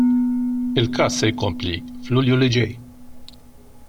Il-każ se jkompli f'Lulju li ġej.